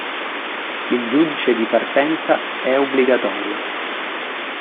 Il giudice di partenza è obbligatorio.